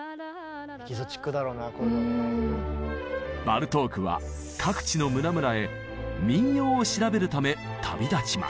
バルトークは各地の村々へ民謡を調べるため旅立ちます。